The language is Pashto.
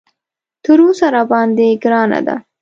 تر اوسه راباندې ګرانه ده.